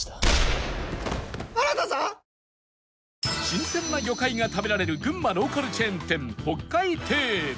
新鮮な魚介が食べられる群馬ローカルチェーン店北海亭